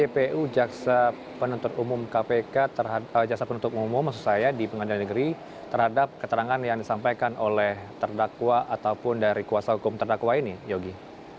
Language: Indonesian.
jaksa penuntut umum kpk jaksa penuntut umum maksud saya di pengadilan negeri terhadap keterangan yang disampaikan oleh terdakwa ataupun dari kuasa hukum terdakwa ini yogi